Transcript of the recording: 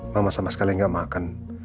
mama sama sekali nggak makan